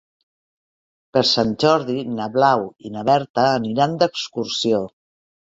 Per Sant Jordi na Blau i na Berta aniran d'excursió.